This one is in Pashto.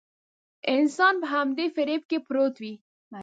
انسان په همدې فريب کې پروت وي.